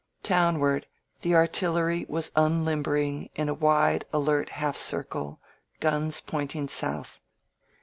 Town ward the artillery was unlimbering in a wide, alert half circle, guns pointing south.